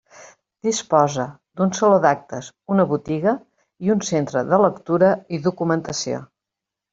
Disposa d'un saló d'actes, una botiga i un centre de lectura i documentació.